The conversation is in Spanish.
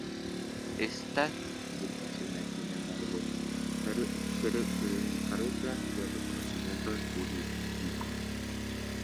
Estas agrupaciones sin embargo carecen de reconocimiento jurídico.